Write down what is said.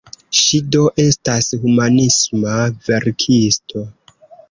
Ŝi do estas humanisma verkisto.